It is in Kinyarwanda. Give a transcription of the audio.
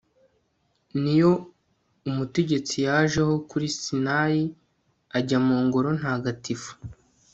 ni yo umutegetsi yajeho kuri sinayi, ajya mu ngoro ntagatifu